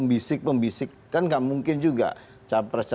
buying mikirin mungkin d pliers guys